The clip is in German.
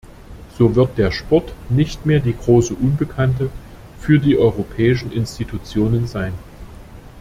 So wird der Sport nicht mehr die große Unbekannte für die europäischen Institutionen sein.